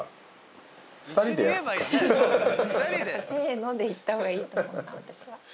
せので言った方がいいと思うな私は。